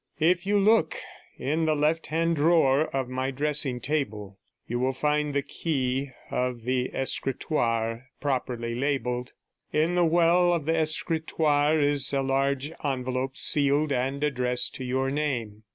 If you look in the left hand drawer of my dressing table, you will find the key of the escritoire, properly labelled. In the well of the escritoire is a large envelope sealed and addressed to your name.